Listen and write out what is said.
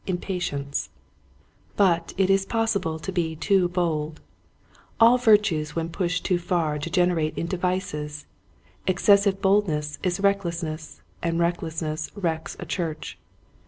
Impatience, But it is possible to be too bold. All virtues when pushed too far degenerate into vices. Excessive boldness is reckless ness, and recklessness wrecks a church.